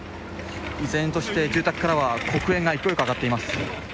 依然として、住宅からは黒煙が勢いよく上がっています。